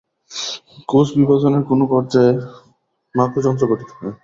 কোষ বিভাজনের কোন পর্যায়ে মাকুযন্ত্র গঠিত হয়?